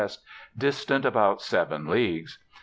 ditsant about seven leagues.